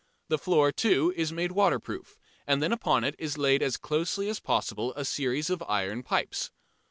The floor, too, is made waterproof and then upon it is laid as closely as possible a series of iron pipes.